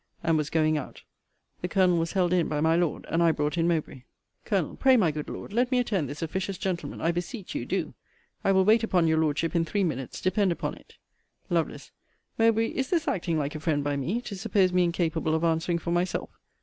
And was going out. The Colonel was held in by my Lord. And I brought in Mowbray. Col. Pray, my good Lord, let me attend this officious gentleman, I beseech you do. I will wait upon your Lordship in three minutes, depend upon it. Lovel. Mowbray, is this acting like a friend by me, to suppose me incapable of answering for myself?